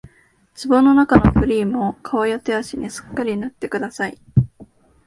壺のなかのクリームを顔や手足にすっかり塗ってください